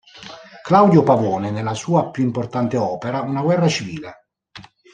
Claudio Pavone, nella sua più importante opera "Una guerra civile.